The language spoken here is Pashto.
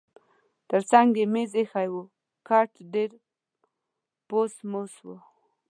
ترڅنګ یې مېز اییښی و، کټ ډېر پوس موس و.